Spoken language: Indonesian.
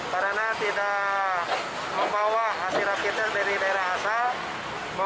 karena tidak membawa hasil rapidnya dari daerah asal